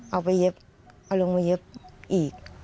เอาไปเย็บเอาลงมาเย็บอีก